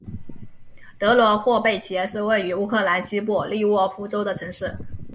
德罗霍贝奇是位于乌克兰西部利沃夫州的城市。